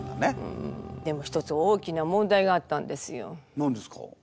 何ですか？